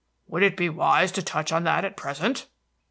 "Would it be wise to touch on that at present?"